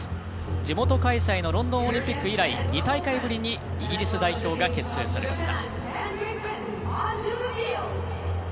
地元開催のロンドンオリンピック以来２大会ぶりにイギリス代表が結成されました。